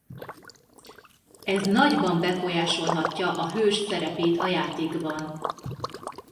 Ez nagyban befolyásolhatja a hős szerepét a játékban.